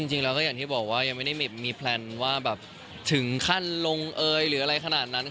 จริงแล้วก็อย่างที่บอกว่ายังไม่ได้มีแพลนว่าแบบถึงขั้นลงเอยหรืออะไรขนาดนั้น